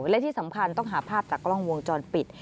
และที่สำคัญต้องหาภาพจากกล้องวงจรปิด